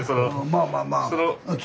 まあまあまあ。